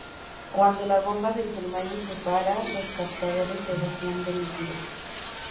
Cuando la bomba del primario se para, los captadores se vacían de líquido.